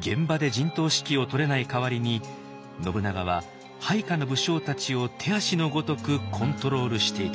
現場で陣頭指揮をとれない代わりに信長は配下の武将たちを手足のごとくコントロールしていたのです。